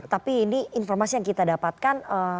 tapi ini informasi yang kita dapatkan